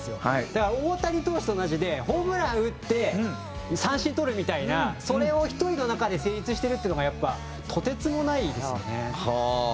だから大谷投手と同じでホームラン打って三振とるみたいなそれを１人の中で成立してるっていうのがやっぱとてつもないですよね。